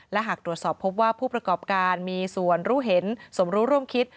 และหากตรวจสอบพบว่าผู้ประกอบการมีส่วนรู้เห็นสมรู้ร่วมคิด